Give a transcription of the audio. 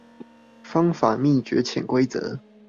方法、秘訣、潛規則